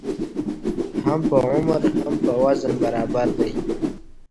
هم په عمر هم په وزن برابر وه